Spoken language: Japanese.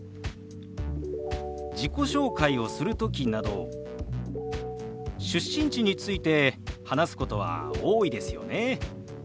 自己紹介をする時など出身地について話すことは多いですよね。